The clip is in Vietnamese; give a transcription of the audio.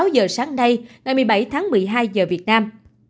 sáu giờ sáng nay ngày một mươi bảy tháng một mươi hai giờ việt nam